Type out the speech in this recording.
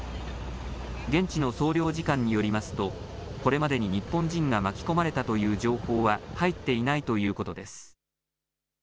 現地の総領事館によりますとこれまでに日本人が巻き込まれたという情報は入っていないということです。